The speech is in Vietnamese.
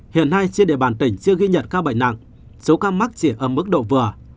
hiện nay trên địa bàn tỉnh chưa ghi nhận ca bệnh nặng số ca mắc chỉ ở mức độ vừa